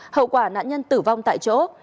hậu quả nạn nhân tử vong tại chỗ